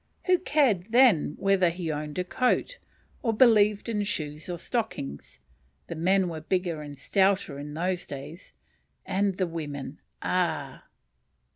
Who cared then whether he owned a coat? or believed in shoes or stockings? The men were bigger and stouter in those days; and the women, ah!